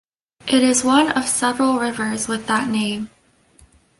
It is one of several rivers with that name.